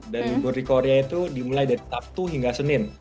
dan libur di korea itu dimulai dari sabtu hingga senin